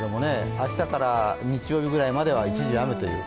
明日から日曜日ぐらいまでは、一時雨という